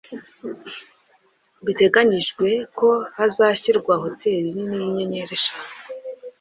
biteganyijwe ko hazashyirwa hoteli nini y’inyenyeri eshanu,